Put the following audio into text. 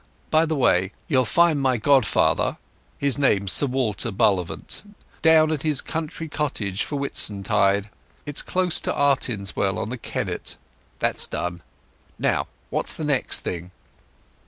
By the way, you'll find my godfather—his name's Sir Walter Bullivant—down at his country cottage for Whitsuntide. It's close to Artinswell on the Kennet. That's done. Now, what's the next thing?"